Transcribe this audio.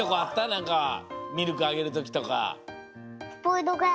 なんかミルクあげるときとか。